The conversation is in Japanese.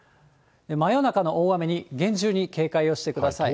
真夜中の大雨に厳重に警戒をしてください。